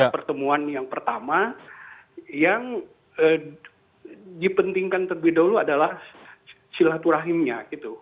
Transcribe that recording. pertemuan yang pertama yang dipentingkan terlebih dahulu adalah silaturahimnya gitu